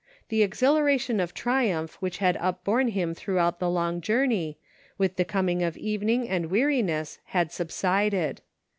The exhilaration of triumph which had upborne him throughout the long journey, with the coming of evening and weariness, had subsided.